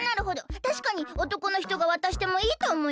たしかにおとこのひとがわたしてもいいとおもいます。